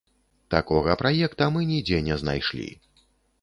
Такога праекта мы нідзе не знайшлі.